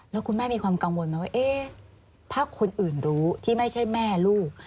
แล้วคุณแม่มีความกังวลไหมว่าถ้าคนอื่นรู้ที่ไม่ใช่แม่ลูก